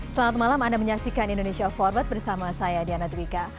selamat malam anda menyaksikan indonesia forward bersama saya diana dwika